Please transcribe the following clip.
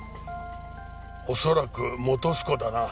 おそらく本栖湖だな。